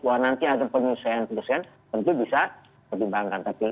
bahwa nanti ada penyelesaian penyelesaian tentu bisa pertimbangkan